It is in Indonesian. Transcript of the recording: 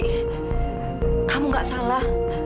kamu gak salah